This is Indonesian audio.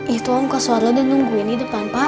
itu om koswara udah nungguin di depan pak